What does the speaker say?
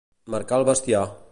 Marcar el bestiar.